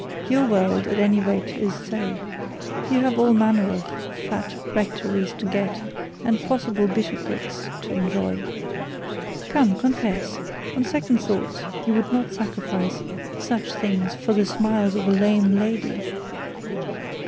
Your world, at any rate, is so. You have all manner of fat rectories to get, and possible bishoprics to enjoy. Come, confess; on second thoughts you would not sacrifice such things for the smiles of a lame lady?'